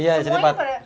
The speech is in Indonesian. iya di sini